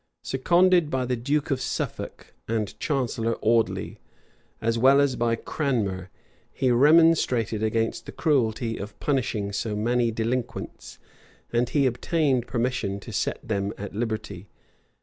Seconded by the duke of Suffolk and Chancellor Audley, as well as by Cranmer, he remonstrated against the cruelty of punishing so many delinquents; and he obtained permission to set them at liberty.